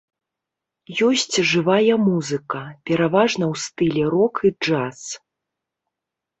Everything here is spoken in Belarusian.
Есць жывая музыка, пераважна ў стылі рок і джаз.